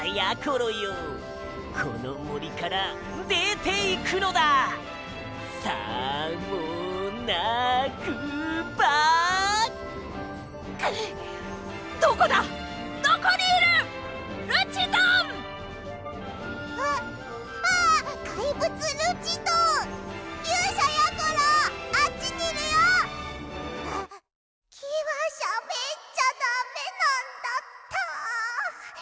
こころのこえきはしゃべっちゃだめなんだった。